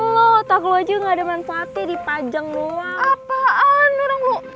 lo takut aja ga ada manfaatnya di pajang lo